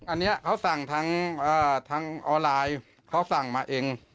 อันนี้เขาสั่งทางออนไลน์เขาสั่งมาเอง